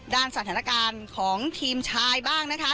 สถานการณ์ของทีมชายบ้างนะคะ